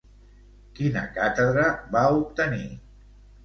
Quina càtedra va obtenir?